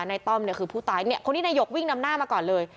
ต้อมเนี่ยคือผู้ตายเนี่ยคนที่นายกวิ่งนำหน้ามาก่อนเลย